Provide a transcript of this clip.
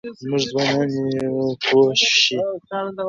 زموږ ځوانان پوه شي.